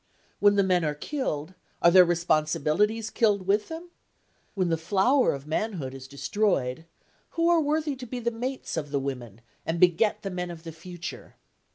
When the men are killed, are their "responsibilities" killed with them? When the flower of manhood is destroyed, who are worthy to be the mates of the women and beget the men of the future?